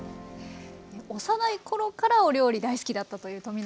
幼い頃からお料理大好きだったという冨永さん